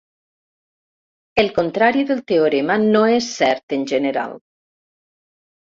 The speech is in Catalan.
El contrari del teorema no és cert en general.